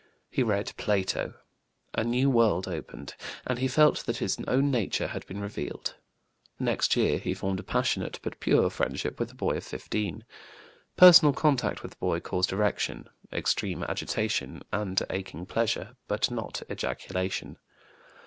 He read Plato. A new world opened, and he felt that his own nature had been revealed. Next year he formed a passionate, but pure, friendship with a boy of 15. Personal contact with the boy caused erection, extreme agitation, and aching pleasure, but not ejaculation.